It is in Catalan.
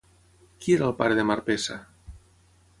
Qui era el pare de Marpessa?